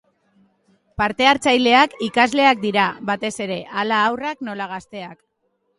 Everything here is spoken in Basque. Parte-hartzaileak ikasleak dira batez ere, hala haurrak nola gazteak.